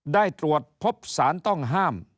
ได้ตรวจพบสารต้องห้าม